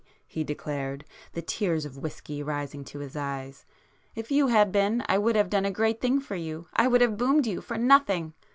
he declared, the tears of whisky rising to his eyes, 'If you had been I would have done a great thing for you,—I would have boomed you,—for nothing!